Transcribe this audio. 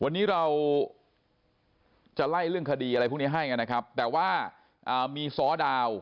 วันนี้เราจะไล่เรื่องคดีอะไรพวกนี้ให้กันนะครับแต่ว่ามีซ้อดาว